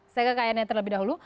saya kekayaannya terlebih dahulu